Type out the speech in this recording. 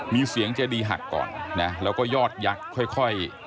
มีเสียงเจดีหักก่อนนะแล้วก็ยอดยักษ์ค่อย